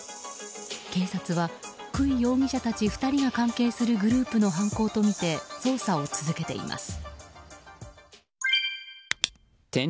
警察はクイ容疑者たち２人が関係するグループの犯行とみて捜査を続けています。